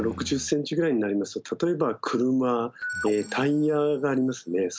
６０ｃｍぐらいになりますと例えば車タイヤがありますね。